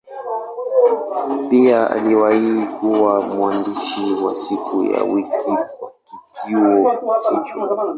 Pia aliwahi kuwa mwandishi wa siku ya wiki kwa kituo hicho.